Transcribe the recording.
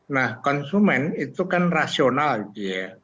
nah konsumen itu kan rasional gitu ya